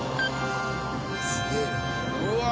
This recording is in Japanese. すげえな。